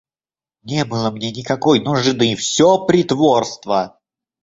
Не было мне никакой нужды... Всё притворство!